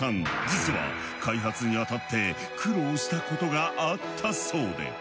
実は開発にあたって苦労したことがあったそうで。